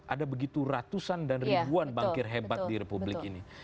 ada begitu ratusan dan ribuan bankir hebat di republik ini